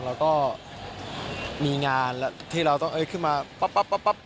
เราก็มีงานที่เราต้องขึ้นมาปั๊บ